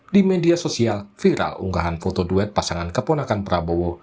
di media sosial viral unggahan foto duet pasangan keponakan prabowo